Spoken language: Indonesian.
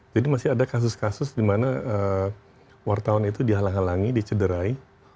jadi masih ada kasus kasus dimana wartawan itu dihalang halangi dicederai